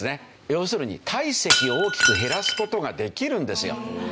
要するに体積を大きく減らす事ができるんですよ。